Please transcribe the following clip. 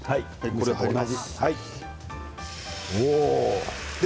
これを入れます。